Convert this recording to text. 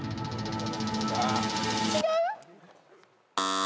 違う？